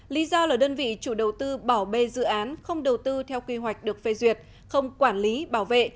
lý do là đơn vị chủ đầu tư bỏ bê dự án không đầu tư theo quy hoạch được phê duyệt không quản lý bảo vệ